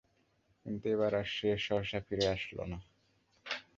কিন্তু এবার আর সে সহসা ফিরে আসল না।